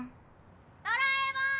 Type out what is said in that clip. ドラえもん！